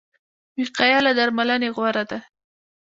وقایه له درملنې غوره ده